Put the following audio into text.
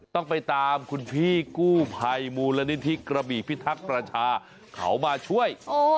ต้องไปตามคุณพี่กู้ภัยมูลนิธิกระบี่พิทักษ์ประชาเขามาช่วย